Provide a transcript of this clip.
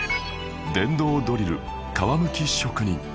電動ドリル皮むき職人